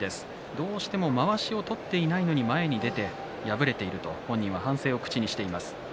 どうしても前にまわしを取っていないのに前に出ていると本人は反省をしています。